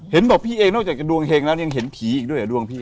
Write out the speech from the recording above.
เห็นบอกพี่เองนอกจากกับดวงเฮงนั้นยังเห็นผีอีกด้วยอะดวงพี่